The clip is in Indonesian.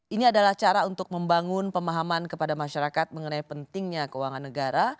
ini adalah cara untuk membangun pemahaman kepada masyarakat mengenai pentingnya keuangan negara